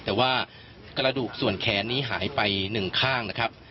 แต่ว่ากระดูกส่วนแขนนี้หายไปหนึ่งข้างนะครับ